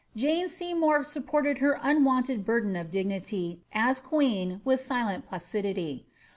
Jane Seymour supported her unwonted burden of dignity as queen with silent placidity.